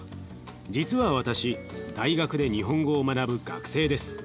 実は私大学で日本語を学ぶ学生です。